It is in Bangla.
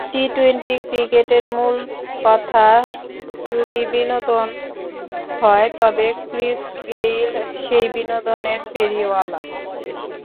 টি-টোয়েন্টি ক্রিকেটের মূলকথা যদি বিনোদন হয়, তবে ক্রিস গেইল সেই বিনোদনের ফেরিওয়ালা।